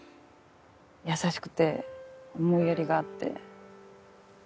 優しくて思いやりがあって。